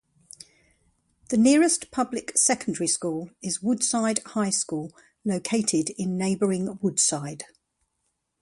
The nearest public secondary school is Woodside High School, located in neighboring Woodside.